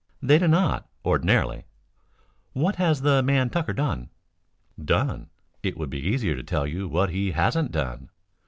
"They do not, ordinarily." "What has the man Tucker done?" "Done? It would be easier to tell you what he hasn't done.